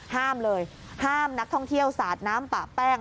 ห้ามเลยห้ามนักท่องเที่ยวสาดน้ำปะแป้ง